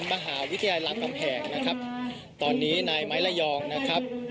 มหาวิทยาลัยรามกำแหงนะครับตอนนี้นายไม้ระยองนะครับ